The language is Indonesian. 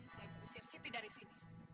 saya berusir siti dari sini